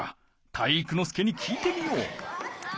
体育ノ介に聞いてみよう。